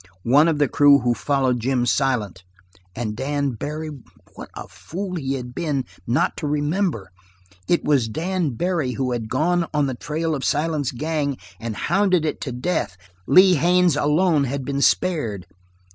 One of the crew who followed Jim Silent; and Dan Barry? What a fool he had been not to remember! It was Dan Barry who had gone on the trail of Silent's gang and hounded it to death; Lee Haines alone had been spared.